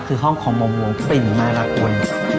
คือห้องของมหวงมหาบริมะละกูล